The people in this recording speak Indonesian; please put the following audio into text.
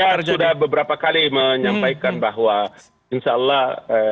saya sudah beberapa kali menyampaikan bahwa insya allah